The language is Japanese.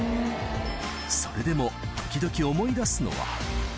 それでも、ときどき思い出すのは。